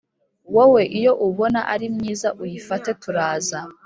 wowe iyo ubona ari myiza uyifate turaza